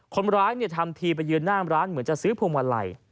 คนร้ายทำทีไปยืนหน้าร้านเหมือนจะซื้อพวงมาลัย